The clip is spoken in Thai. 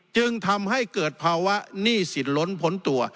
จึงทำให้เกิดภาวะหนี้สินล้นพ้นตัว